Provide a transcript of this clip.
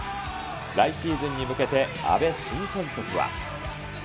来シーズンに向けて、阿部新監督は。